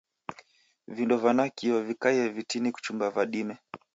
Vindo va nakio vikaie vitini kuchumba va dime.